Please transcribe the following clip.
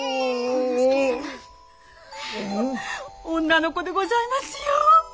女の子でございますよ。